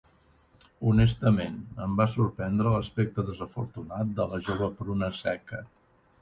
Honestament, em va sorprendre l'aspecte desafortunat de la jove pruna seca.